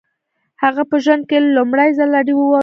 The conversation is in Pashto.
هغه په ژوند کې لومړي ځل راډیو واورېده